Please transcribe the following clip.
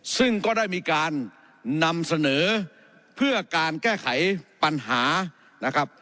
ซึ่งก็ได้มีการนำเสนอเพื่อการแก้ไขปัญหานะครับ